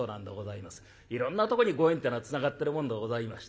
いろんなとこにご縁ってのはつながってるもんでございまして。